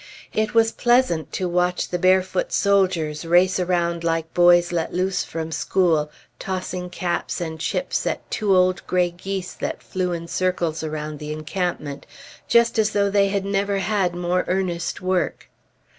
It was pleasant to watch the barefoot soldiers race around like boys let loose from school, tossing caps and chips at two old gray geese that flew in circles around the encampment, just as though they had never had more earnest work.